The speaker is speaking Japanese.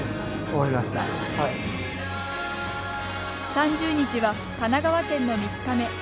３０日は、神奈川県の３日目。